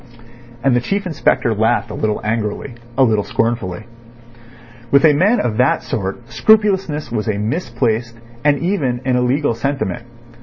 And the Chief Inspector laughed a little angrily, a little scornfully. With a man of that sort scrupulousness was a misplaced and even an illegal sentiment.